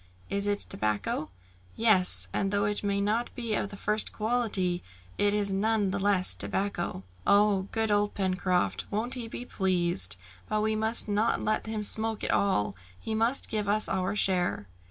"Is it tobacco?" "Yes, and though it may not be of the first quality, it is none the less tobacco!" "Oh, good old Pencroft! Won't he be pleased? But we must not let him smoke it all, he must give us our share."